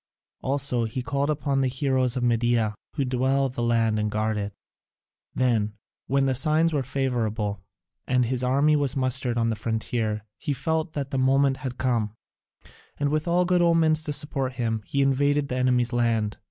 Also he called upon the Heroes of Media, who dwell in the land and guard it. Then, when the signs were favourable and his army was mustered on the frontier, he felt that the moment had come, and with all good omens to support him, he invaded the enemy's land.